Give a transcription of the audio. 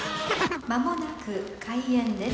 ［間もなく開演です］